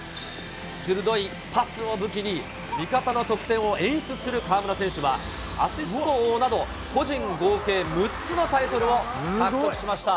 鋭いパスを武器に、味方の得点を演出する河村選手は、アシスト王など、個人合計６つのタイトルを獲得しました。